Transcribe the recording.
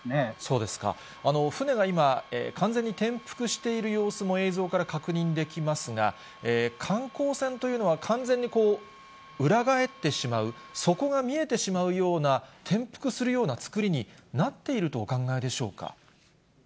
船が今、完全に転覆している様子も映像から確認できますが、観光船というのは完全に裏返ってしまう、底が見えてしまうような、転覆するようなつくりになっているとお考えでしょうか。